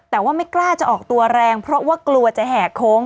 แต่ว่าไม่กล้าจะออกตัวแรงเพราะว่ากลัวจะแห่โค้ง